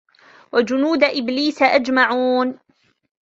وجنود إبليس أجمعون